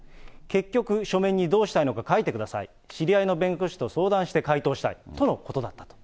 結局書面にどうしたいのか書いてくださいと、知り合いの弁護士と相談して回答したいとのことだった。